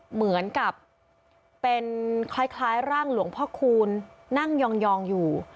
เหมือนกับเป็นคล้ายร่างหลวงพ่อคูณนั่งยองอยู่